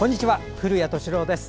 古谷敏郎です。